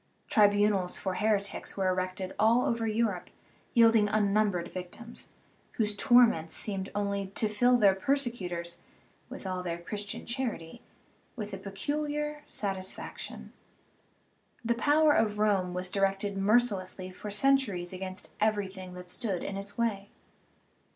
Tribunals for heretics were erected all over Europe, yielding unnumbered victims, whose torments seemed only to fill their persecutors, with all their Christian charity, with a peculiar satisfaction. The power of Rome was directed mercilessly for centuries against everything that stood in its way.